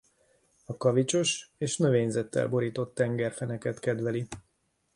A kavicsos és növényzettel borított tengerfenéket kedveli.